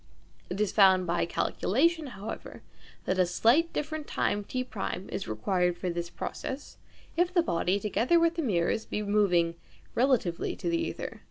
It is found by calculation, however, that a slightly different time T1 is required for this process, if the body, together with the mirrors, be moving relatively to the ćther.